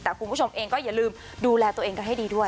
แต่คุณผู้ชมเองก็อย่าลืมดูแลตัวเองกันให้ดีด้วย